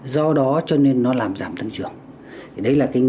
do đó cho nên nó làm giảm tăng trưởng